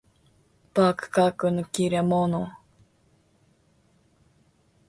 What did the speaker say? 幕閣の利れ者